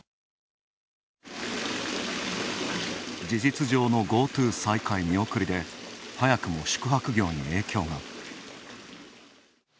事実上の「ＧｏＴｏ」再開見送りで早くも宿泊業に影響が。